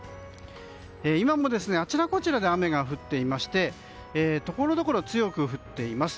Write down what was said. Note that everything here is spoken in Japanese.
今も、あちらこちらで雨が降っていましてところどころ強く降っています。